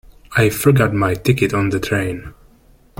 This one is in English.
I forgot my ticket on the train.